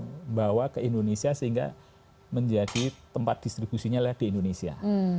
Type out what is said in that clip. mereka akan bisa membawa ke indonesia sehingga menjadi tempat distribusinya lah di indonesia